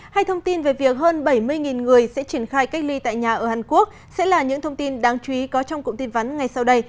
hay thông tin về việc hơn bảy mươi người sẽ triển khai cách ly tại nhà ở hàn quốc sẽ là những thông tin đáng chú ý có trong cụm tin vắn ngay sau đây